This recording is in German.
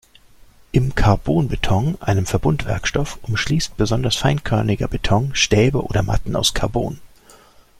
Im Carbonbeton, einem Verbundwerkstoff, umschließt besonders feinkörniger Beton Stäbe oder Matten aus Carbon.